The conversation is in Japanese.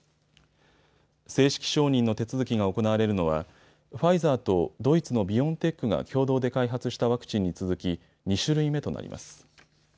正式承認の手続きが行われるのはファイザーとドイツのビオンテックが共同で開発したワクチンに続き２種類目となります。